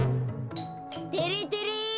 てれてれ！